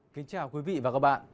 kính chào quý vị và các bạn